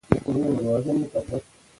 غله باید ونیول شي او بندي شي.